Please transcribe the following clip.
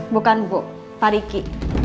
bukan bu pak riki